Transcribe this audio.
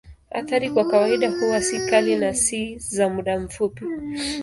Athari kwa kawaida huwa si kali na ni za muda mfupi.